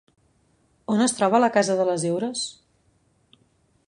On es troba la Casa de les Heures?